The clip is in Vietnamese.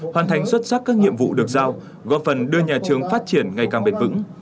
hoàn thành xuất sắc các nhiệm vụ được giao góp phần đưa nhà trường phát triển ngày càng bền vững